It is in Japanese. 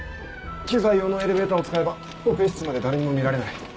機材用のエレベーターを使えばオペ室まで誰にも見られない。